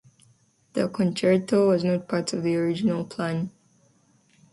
The concerto was not part of the original plan.